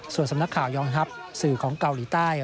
ส่วนสำนักข่าวยองทัพสื่อของเกาหลีใต้